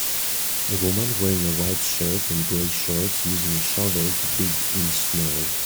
A woman wearing a white shirt and gray shorts using a shovel to dig in snow.